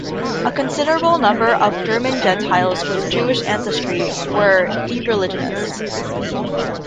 A considerable number of German Gentiles with Jewish ancestry were irreligionists.